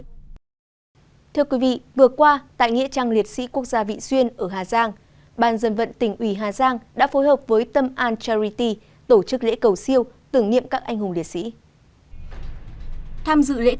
thưa quý vị vừa qua tại nghĩa trang liệt sĩ quốc gia vị xuyên ở hà giang ban dân vận tỉnh ủy hà giang đã phối hợp với tâm antarrity tổ chức lễ cầu siêu tưởng niệm các anh hùng liệt sĩ